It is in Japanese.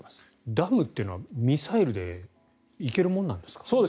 ダムというのはミサイルでいけるものなんですか？